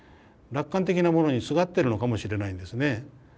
楽観的なものにすがってるのかもしれないんですね。